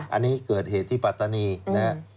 อันนี้เกิดเหตุที่ปตนีนะ